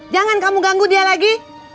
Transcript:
jangan kamu ganggu dia lagi